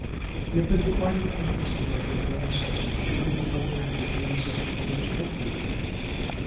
He had been quite in earnest in those regrets as to shooting, hunting, and the duties of an English country life.